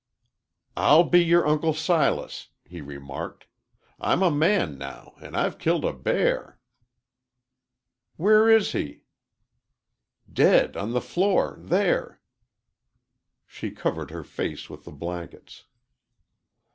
"I'll be your Uncle Silas," he remarked. "I'm a man now, an' I've killed a bear." "Where is he?" "Dead on the floor there." She covered her face with the blankets.